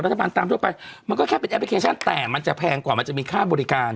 ตามทั่วไปมันก็แค่เป็นแอปพลิเคชันแต่มันจะแพงกว่ามันจะมีค่าบริการ